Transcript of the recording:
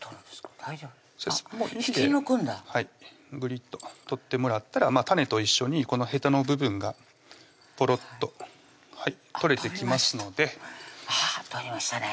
大丈夫？あっ引き抜くんだはいグリッと取ってもらったら種と一緒にこのへたの部分がポロッと取れてきますのではぁ取れましたね